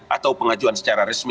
atau pengajuan secara resmi